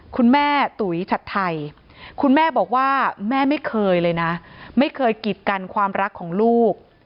คุณแม่ตุ๋ยชัดไทยคุณแม่บอกว่าแม่ไม่เคยเลยนะไม่เคยกิดกันความรักของลูก